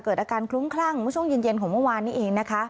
เกิดอาการคลุ้มคลั่งเมื่อช่วงเย็นของเมื่อวานนี้เองนะคะ